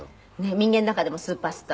民藝の中でもスーパースター？